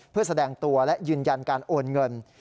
เพื่อแสดงตัวและยืนยันการโอนเงิน